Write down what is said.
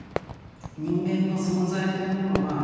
人間の存在というものは限りなく